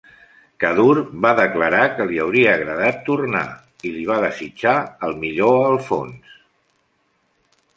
Kaddour va declarar que li hauria agradar tornar i li va desitjar el millor a Alfonso.